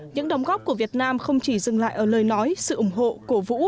những đóng góp của việt nam không chỉ dừng lại ở lời nói sự ủng hộ cổ vũ